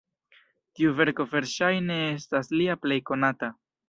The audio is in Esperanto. Tiu verko verŝajne estas lia plej konata.